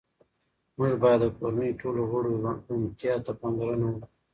موږ باید د کورنۍ ټولو غړو روغتیا ته پاملرنه وکړو